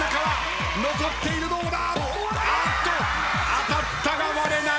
当たったが割れない！